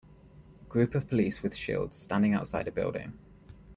Group of police with shields standing outside a building.